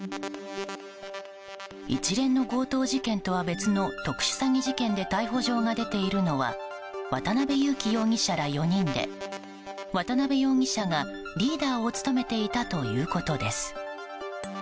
一連の強盗事件とは別の特殊詐欺事件で逮捕状が出ているのは渡邉優樹容疑者ら４人で渡邉容疑者がリーダーを務めていたということです。